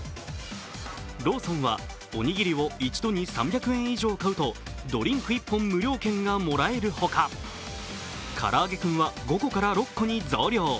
ローソンはおにぎりを一度に３００円以上買うと、ドリンク１本無料券がもらえるほかからあげクンは５個から６個に増量。